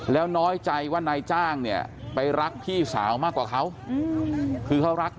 แล้วน้อยใจว่านายจ้างไปรักพี่สาวมากกว่าเขา